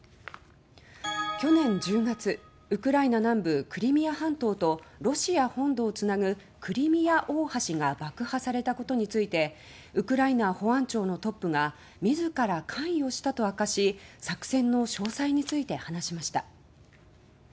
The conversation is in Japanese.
去年１０月ウクライナ南部クリミア半島とロシア本土を繋ぐクリミア大橋が爆破されたことについてウクライナ保安庁のトップが自ら関与したと明かし作戦の詳細について話しました。